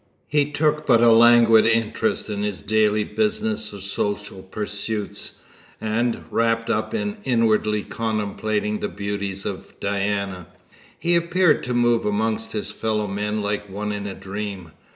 He took but a languid interest in his daily business or social pursuits, and, wrapped up in inwardly contemplating the beauties of Diana, he appeared to move amongst his fellow men like one in a dream.